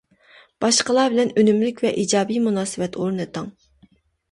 باشقىلار بىلەن ئۈنۈملۈك ۋە ئىجابىي مۇناسىۋەت ئورنىتىڭ.